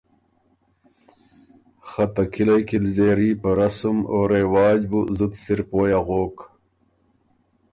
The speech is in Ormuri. خه ته کِلئ کِلځېری په رسم او رواج بُو زُت سِر پویٛ اغوک۔